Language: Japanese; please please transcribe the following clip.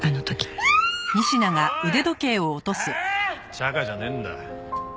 チャカじゃねえんだ。